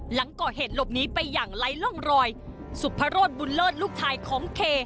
หลังก่อเหตุหลบหนีไปอย่างไร้ร่องรอยสุพรสบุญเลิศลูกชายของเค